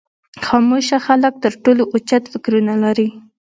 خاموشه خلک تر ټولو اوچت فکرونه لري.